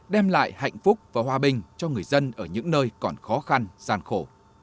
đem lại hạnh phúc và hòa bình cho người dân ở những nơi còn khó khăn gian khổ